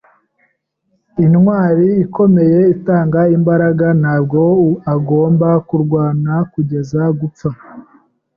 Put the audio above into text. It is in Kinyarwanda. Intwali ikomeye itanga imbaraga Ntabwo agomba kurwana kugeza gupfa